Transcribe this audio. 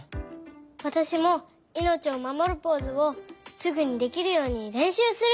わたしもいのちをまもるポーズをすぐにできるようにれんしゅうする！